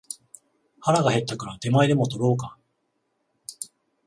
腹が減ったから出前でも取ろうか